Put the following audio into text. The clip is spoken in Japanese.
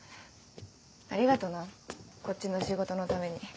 ありがとなこっちの仕事のために。